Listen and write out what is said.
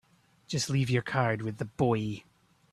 Just leave your card with the boy.